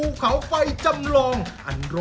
น้ำลายของสอ